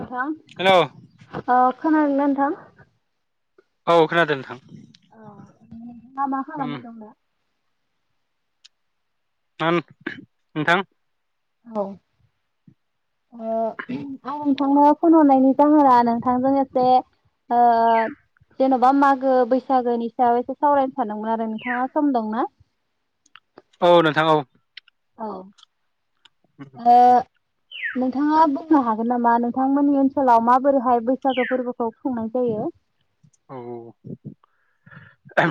[unintelligible] Hello खोनादोंना नोंथां? औ खोनादों नोंथां औ नोंथाङा मा मा उम खालामबाय दं? [unintelligible] नोंथां औ ओ आं नोंथांनो फन हरनायनि जाहोना नोंथांजों एसे ओ जेन'बा मागो बैसागोनि सायाव एसे सावरायनो सानदोंमोन आरो नोंथाङा सम दंना? औ नोंथां औ औ ओ [unintelligible] नोंथाङा बुंनो हागोन नामा नोंथांमोननि ओनसोलाव माबोरैहाय बैसागो फोरबो खौ खुंनाय जायो? औ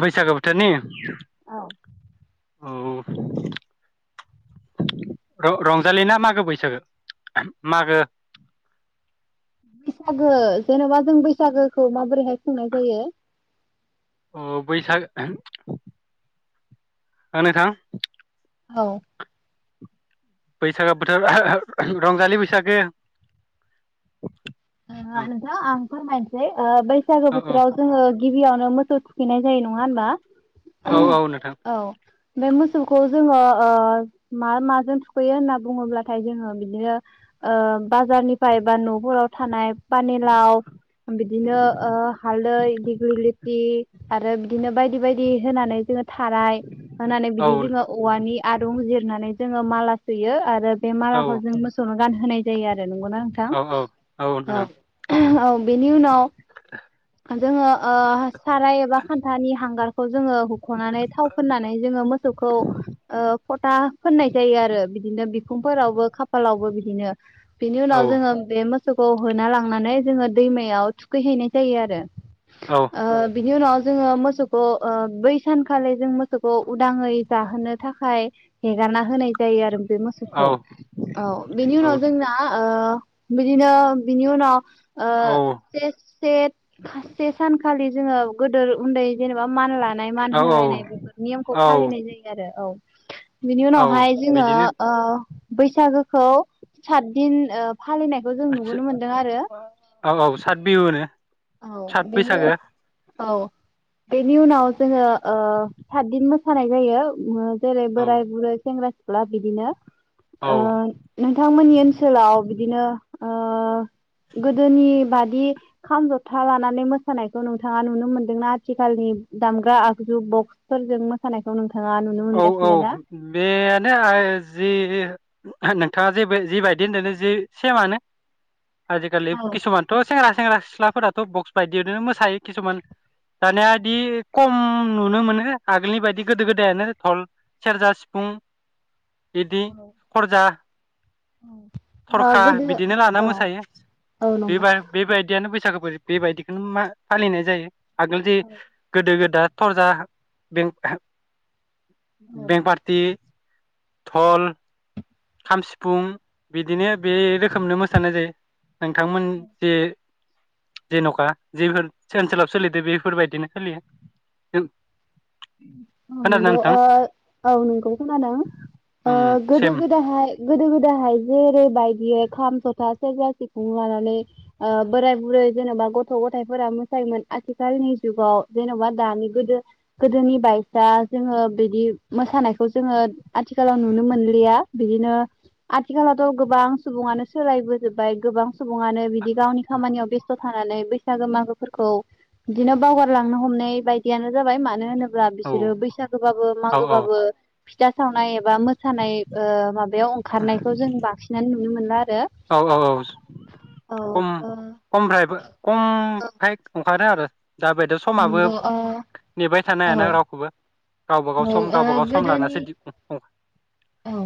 बैसागो बोथोरनि? औ औ रं-रंजालि ना मागो बैसागो मागो? बैसागो जेन'बा जों बैसागोखौ माबोरैहाय खुंनाय जायो? अ बैसाग ओ नोंथां औ ओ बोथोर [unintelligible] बोथोर रंजालि बैसागो नङा औ नोंथां आं फोरमायनोसै ओ बैसागो औ बोथोराव जोङो गि बियावनो मोसौ थुखैनाय जायो नङा होनबा? औ औ नोंथां । औ बे मोसौखौ जोंङो ओ मा माजों थुखैयो होनना बुङोब्लाथाय जोंङो बिदिनो ओ बाजारनिफ्राय बा न'फोराव थानाय पानिलाव बिदिनो ओ हालदै, दिगिलिथि आरो बिदिनो बायदि बायदि होनानै जोङो थाराय होननानै औ बिदि जोङो औवानि आरूं जिर नानै जोङो माला सोयो आरो बे मालाखौ जों मोसौनो गान होनाय जायो आरो नोंगौना नोंथां? औ औ औ बेनि उनाव जोङो ओ साराय एबा खान्थानि हांगारखौ जोंङो हुख'नानै थाव फोननानै जोंङो मोसौखौ ओ फथा फोननाय जायो आरो बिदिनो बिखुंफोरावबो खाफालावबो बि दिनो बिनि औ उनाव जोंङो बे मो सौखौ होना लांनानै जोङो दैमायाव थुखैहैनाय जायो आरो । औ ओ बिनि उनाव जोंङो मोसौखौ ओ बै सानखालि जों मोसौखौ उदाङै जाहोनो थाखाय हेगारना होनाय जायो आरो बे औ मोसौखौ, औ बेनि उनाव जोंना ओ बिदिनो बिनि उनाव ओ से से खाससे सानखालि जोङो गोदोर उन्दै जेनेबा मान लानाय, मान औ होलायनाय बेफोर नियमखौ औ फालिनाय जायो आरो औ । बिनि औ उनावहाय जोंङो बिदिनो ओ बैसागोखौ सातदिन ओ फालिनाय आतसा औ औ सात बिहु होनो सात बैसागो । औ बेनि उनाव जोंङो ओ सातदिन मोसानाय जायो ओ जेरै औ बोराय, बुरै, सेंग्रा सिख्ला बिदिनो ओ औ नोंथांमोननि ओनसोलाव बिदिनो ओ गोदोनि बादि दि खाम जथा लानानै मोसानायखौ नोंथाङा नुनो मोनदोंना आथिखालनि दामग्रा आगजु बक्सफोरजों मोसानायखौ नोंथ औ औ बेनो जि नोंथाङा जे जिबायदि होनदों जि सेमानो। आजिखालि औ किसुमानथ' सेंग्रा सेंग्रा सिख्लाफोरा। टप बक्स बायदि नो मोसायो किसुमान दानिया इदि खम नुनो मोनो आगोलनि बायदि गोदो गोदायानो। धल, सेरजा, सिफुं। बिदि खरजा। औ थरखा गोदो बिदिनो लाना औ मोसायो औ नंगौ बेबा बेबायदियानो बैसागो बो बेबायदिखौनो मा फालिनाय जायो? आगोल जे गोदो गोदा थरजा, बें औ बें पारटि। धल, खाम, सिफुं बिदिनो बे रोखोमनो मोसानाय जायो। नोंथांमोन जे जेन'खा जेफोर सेनसोलाव सोलिदो बेफोरबायदिनो सोलियो। औ खोनादोंना नोंगौ नोंथां ओ औ नोंगौ खोनादों। उम ओ उम गोदो सेम गोदोहाय। गोदो गोदाहाय जेरैबायदियै खाम, जथा, सेरजा सिफुं लानानै ओ बोराय बुरै जेन'बा गथ' गथाइफोरा मोसायोमोन आथिखालनि जुगाव जेन'बा दानि गोदो। गोदोनि बाइसा जोङो बिदि मोसानायखौ जोङो आथिखालाव नुनो मोनलिया बिदिनो आथिखालावथ' गोबां सुबुङानो सोलायबोजोब्बाय गोबां। सुबुङानो बिदि गावनि खामानियाव बेस्थ'। थानानै बैसागो मागोफोरखौ बिदिनो बावगारलांनो हमनाय बायदियानो जाबाय मानो। होब्ला औ बिसोरो बैसागोबाबो औ मागोबाबो। फिथा सावनाय। बा मोसानाय ओ माबायाव ओंखारनायखौ जों बांसिनानो नु। [unintelligible] मोनला [unintelligible] औ औ औ औ खम ओ खमरायबो खम फ्राय। सानो आरो दाबायदियाव समाबोब नेबाय थानो हाना रावखौबो। गावबा गाव सम गावबा गाव सम लानासो दि औ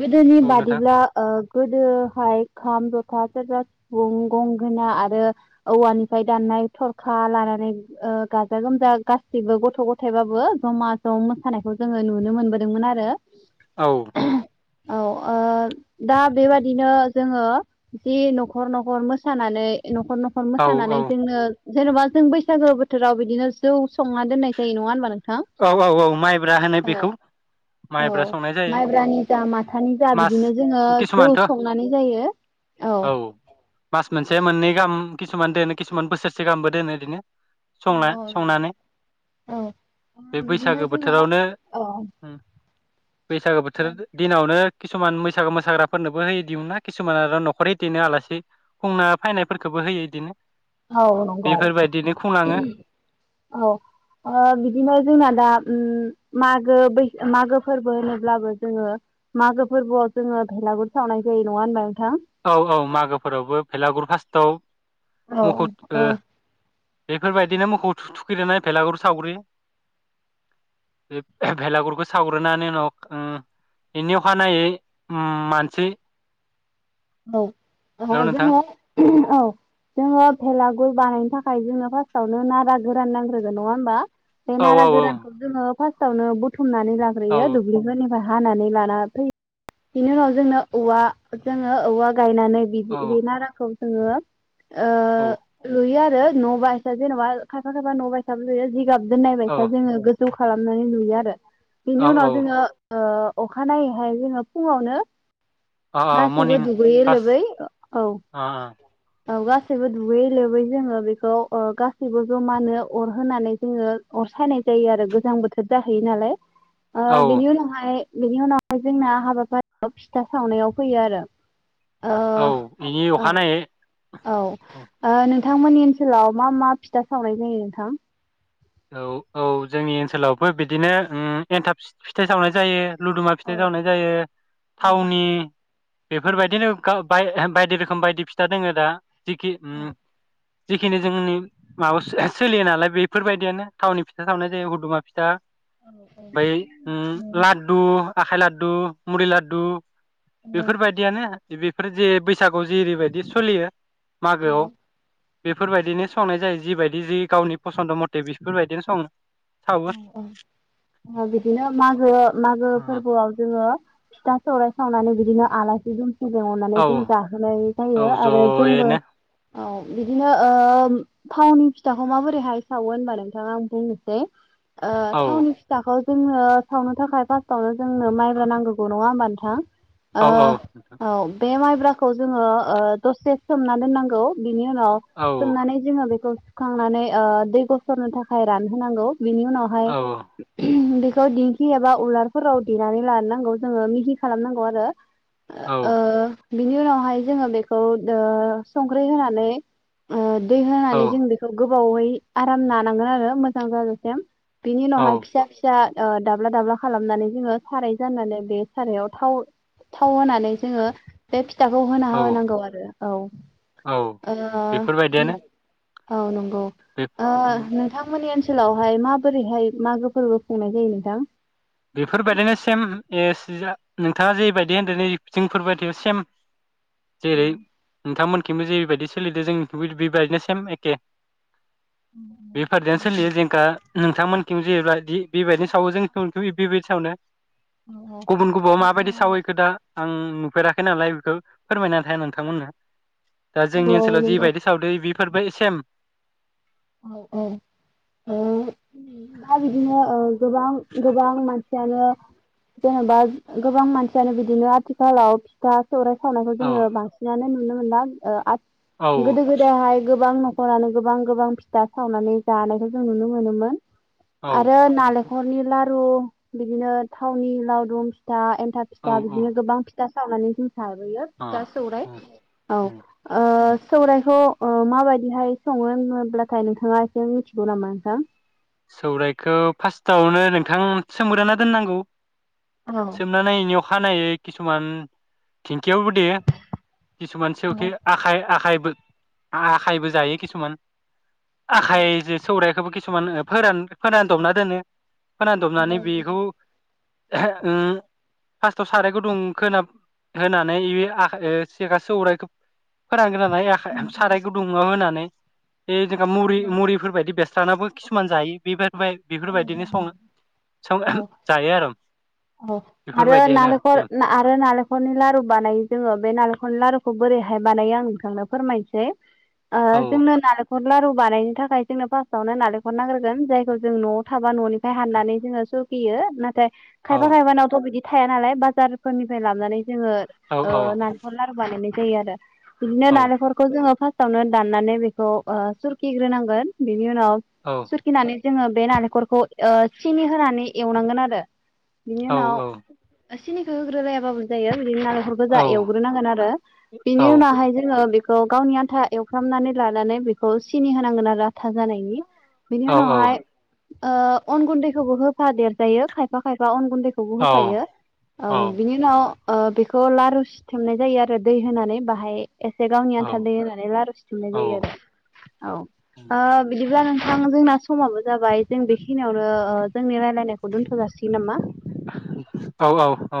गोदोनि औ नोंथां बादिब्ला ओ गोदो। खाइ खाम, जथा, सेरजा, सिफुं, गंगोना आरो औवानिफ्राय दाननाय थरखा लानानै ओ गाजा गोमजा गासैबो गथ' गथाइबाबो जमा ज' मोसानायखौ जोङो नुनो मोनबोदोंमोन आरो। औ। औ ओ दा बेबादिनो जोङो जि न'खर न'खर मोसानानै‌‌ न' खर न'खर औ मोसानानै जोंनो। जेनेबा जों बैसागो बोथोराव बिदिनो जौ। संना दोननाय जायो नंङा होनबा नोंथां औ औ औ माइब्रा होनो अ बेखौ औ माइब्रा संनाय जायो माइब्रानि जा माथानि जा मास बिदिनो जोंङो जौ किसुमानथ' संनानै जायो औ मास मोनसे मोननै गाहाम किसुमान दोनो सुमान बोसोरसे गाहामबो दोनो बिदिनो सं संनानै बे बैसागो बोथोरावनो बैसागु बोथोर दिनावनो किसुमान बैसागो मोसाग्राफोरनोबो होयो दिहुन ना किसुमान आरो न'खर हखर बिदिनो आलासि खुंना फैनायफोरखौबो होयो बिदिनो औ नंगौ खुंलाङो औ बिदिनो जोंना दा मागो बै मागो फोरबो होनोब्लाबो जोंङो मागो फोरबोआव जोंङो भेलागुर सावनाय जायो नंङा होनबा नोंथां औ औ मागोफोरावबो फेलागुर फास्ट दाव बेफोरबायदिनो मोखौ थुख्रोनानै भेलागुर सावग्रोयो बे भेलागुरखौ सावग्रोनानै उनाव ओ बेनि अखानायै ओ मानसि औ हेलौ नोंथां जों औ जोंङो भेलागुर बानायनो थाखाय जोंनो फार्स्टआवनो नारा गोरान नांग्रोगोन नंङा होमबा बे औ नारा औ गोरानखौ जोंङो फार्स्ट यावनो बुथुमनानै खुमनानै लाग्रोयो औ दुब्लिफोरनिबा हानानै लाना फैयो बिनि उनाव जोंनो औवा जों औ गायनानै बि औ नाराखौनोरोखोम जोंयो औ आ लुइया न' बायसा जेनबा खायफा खायफा न गाब दोन औ नायबायसा जोंङो गोजौखौ खालामनानै लुयो आरो औ बिनि औ उनाव जोंङो अखानायैहाय जोंङो फुङावनो अ सैबो मरनिं दुगैयै फार्स्ट लोबै औ अ औ गासैबो दुगैयै लोबै जोङो बेखौ ओ गासैबो जमानो अर होनानै जोङो अर सायनाय जायो आरो गोजां बोथोर जाहैयो नालाय ओ अ औ बिनि उनावहाय बेनि उनावहाय जोंना हाबाफारियाव फिथा सावनायाव फैयो आरो ओ औ बिनि औ अखानायैै औ नोंथांमोननि ओनसोलाव मा मा फिथा सावनाय जायो नोंथां औ औ जोंनि ओनसोलावबो बिदिनो ओम एनथाब फि-फिथाइ सावनाय जायो लुदुमा फिथाइ जावनाय जायो थावनि बेफोरबायदिनो गा बाय-बायदि रोखोम बायदि फिथा दोङो दा जिखि ओम जिखिनि जोंनि माबा सोलियो नालाय बेफोरबाय बिदिनो थावनि फिथा सावनाय जायो हुदुमा फिथा ओमफाय ओम लादु आखाय लादु मुरि लादु बेफोरबादियानो बेफोर जे बैसागु जेरैबायदि सलियो मागोआव बेफोरबायदिनो संनाय जायो जिबायदि जि गावनि फसन्द' मथ दे बिसफोरबायदिनो सं ओ ओ ओ बिदिनो मागो मागो फोरबोआव जोङो फिथा सौराय सावनानै बिदिनो आलासि दुम जों अननानै औ जों जाहोनाय औ जायो आरो जोंबो जयैनो औ बिदिनो ओ थावनि फिथाखौ माबोरैहाय सावो होनबा नोंथाङा आं बुंनोसै ओ औ थावनि फिथाखौ जोंनो सावनो थाखाय फार्स्टआवनो जोंनो माइब्रा नांगोगौ नङा होमबा नोंथां औ ओ औ औ बे माइ बराखौ जोङो दसे सोमना दोननांगौ बेनि उनाव औ सोमनानै जोङो बेखौ सुखांनानै ओ दै ग'सरनो थाखाय रानहोनांगौ बेनि उनावहाय औ उम थ दिंखि एबा उलारफोराव देनानै लान नांगौ जोङो मिहि खालामनांगौ आरो औ ओ बिनि उनावहाय जोङो बेखौ ओ संख्रि होनानै ओ दै होनानै जों बेखौ गोब गोबावयै आराम नानांगोन आरो मोजां जाजा सेम बिनि उनावहाय औ फिसा फिसा ओ दाब्ला दाब्ला खालामनानै जोङो साराय जाननानै बे सारायाव थाव थाव होनानै जोङो बे फि थाखौ होना औ होनांगौ आरो औ औ ओ उम बेफोरबायदियानो औ नं बे ओ नोंथांमोननि ओनसो हेलौ। हाय माबोरैहाय मागो फोरबो खुंनाय जायो नोंथां? बेफोरबायदिनो सेम एसिजा नोंथाङा जेबायदि होनदोनै जोंफोरबायदियाव सेम। जेरै नोंथांमोन खिमबो जेरैबायदि सोलिदो जों बेबायदिनो सेम एखे। [unintelligible] नोंथांमोनखि जेब्ला दि बेबायदिनो सायाव जों [unintelligible] गुबुन गुबुआव माबायदि सावो येखो दा आं नुफेराखै नालाय बेखौ फोरमायना [inaudible] नोंथांमोननो। दा जोंनि औ ओनसोलाव नंगौ जिबायदि सावदो इदि फोरबाय सेम। दा जानो जेनेबा गोबां मानसियानो बिदिनो आथिखालाव फिथा सौराइ सावनायखौ औ जोङो बांसिनानो नुनो मोन औ [unintelligible] गोदो गोदायहाय गोबां ना खरानो गोबां गोबां। दा सावनानै जानायखौ जों नुनो मोनोमोन। औ आरो नाले खरनि लारु बिदिनो थावनि लावदुम फिथा एन फिथा औ फिथा औ बिदिनो गोबां । था सावनानै थाबोयो अ फिथा सौराइ उम औ उम ओ सौराइखौ माबायदिहाय सङो होनोब्ला थाय नोंथाङा एसे मिथिगौ नामा नोंथां? सौरायखो फार्स्टआवनो नोंथां सोमग्रोना दोननांगौ। सोमनानै यख खानायै किसुमान थि थेवबोदि किसुमान सेवखे आखाइ आखाइ आखायबो जायो किसुमान। आखाइजो सौराइखौबो किसुमान ओ [unintelligible] फोन फोरान दमना दोनो। फोरान दमनानै बेखौ उम फास्टाव साराय गुदुं खोना होनानै इबे आखाइ सेखा सौरायखौ फोरानग्रोनानै आखाइ साराय गुदुंङआव होनानै जोंहा मुरि-मुरिफोर बायदि बेस्त सानाबो [unintelligible] मान जायो बेबो बाय बेफोरबायदिनो सङो सङो जायो आरो। औ आरो बेफोरबायदियानो नालेंखर आरो नालेंखलनि लारु बानायो जोङो बे नालेंखनि ला रुखौ बोरैहाय बानायो आं नोंथांनो फोरमायनोसै। ओ औ जोंनो नाले लारु बानायनो थाखाय जोंनो फास्टआवनो नालेंखर नाग्रोगोन जायखौ जों न'आव थाबा न'निफ्राय हाननानै जोङो सुखियो नाथाय खायफा औ खायफानावथ' बिदि थाया नालाय बाजारफोरनिफ्राय लाबनानै। जोङो औ ओ नखल लारु बानायनाय जायो आरो। बिदिनो औ नालेंरखौ जोङो फास्ट नो दाननानै बेखौ ओ सुरकिग्रोनांगोन बिनि उनाव औ सुरकिनानै जोङो बे नालेंखरखौ ओ सिनि होनानै एवनांगोन आरो। बिनि औ उनाव औ। सिनिखौ होग्रोलायाबाबो जायो। ओरैनो नालेखर गोजा एवग्रोनांगोन आरो औ बिनि उनावहाय जोङो बे गावनि आन्था एवफ्रामनानै लानानै बेखौ सिनि होनांगोन आरो आथा जानायनि। बिनि उनावहाय ओ अन गुन्दैखौबो होफा देरजायो खायफा खायफा बा अन गुन्दैखौबो औ होफायो औ बिनि उनाव ओ बेखौ लारु सिथोबनाय जायो आरो दै होनानै बाहाय एसे गावनि आन्था दै होनानै लारु सिथुमनाय औ जायो आरो औ ओ बिदिब्ला नोंथां जोंना समाबो जाबाय जों बेखिनियावनो ओ जोंनि राय लायनायखौ दोनथ' जासि औ औ औ।